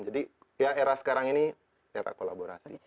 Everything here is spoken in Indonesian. jadi ya era sekarang ini era kolaborasi